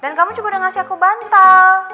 dan kamu juga udah ngasih aku bantal